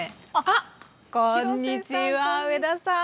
こんにちは上田さん